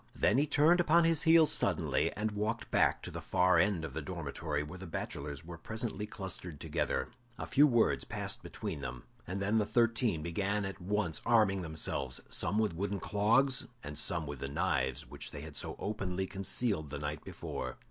Then he turned upon his heel suddenly, and walked back to the far end of the dormitory, where the bachelors were presently clustered together. A few words passed between them, and then the thirteen began at once arming themselves, some with wooden clogs, and some with the knives which they had so openly concealed the night before.